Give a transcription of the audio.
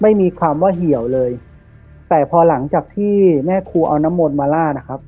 ไม่มีความว่าเหี่ยวเลยแต่พอหลังจากที่แม่ครูเอาน้ำมนต์มาลาดนะครับ